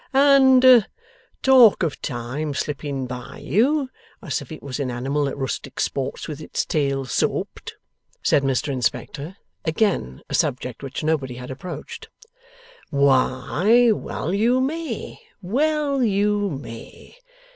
'And talk of Time slipping by you, as if it was an animal at rustic sports with its tail soaped,' said Mr Inspector (again, a subject which nobody had approached); 'why, well you may. Well you may.